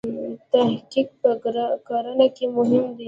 تحقیق په کرنه کې مهم دی.